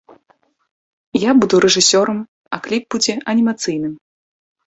Я буду рэжысёрам, а кліп будзе анімацыйным.